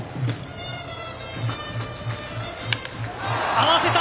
合わせた！